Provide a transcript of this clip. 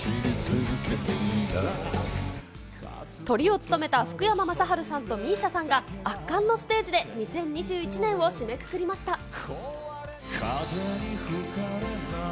トリを務めた福山雅治さんとＭＩＳＩＡさんが、圧巻のステージで２０２１年を締めくくりました。